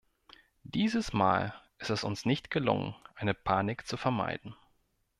Dieses Mal ist es uns nicht gelungen, eine Panik zu vermeiden.